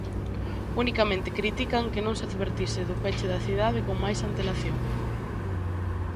Unicamente critican que non se advertise do peche da cidade con máis antelación.